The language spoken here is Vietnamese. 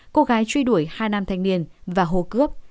cô gái truy đuổi hà nam thanh niên và hồ cướp